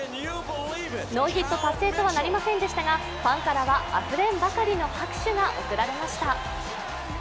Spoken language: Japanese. ノーヒット達成とはなりませんでしたがファンからはあふれんばかりの拍手が送られました。